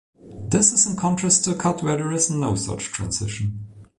This is in contrast to a cut where there is no such transition.